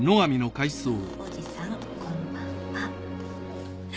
「ふくろうおじさん、こんばんは」。